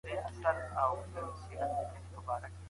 ما مخکي د باغ بوټو ته اوبه ورکړي وې.